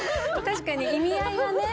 確かに意味合いはね。